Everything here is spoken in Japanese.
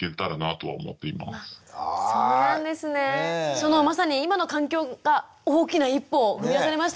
そのまさに今の環境が大きな一歩を踏み出されましたね。